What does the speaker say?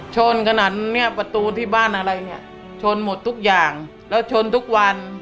ชนขนาดเนี้ยประตูที่บ้านอะไรเนี่ยชนหมดทุกอย่างแล้วชนทุกวัน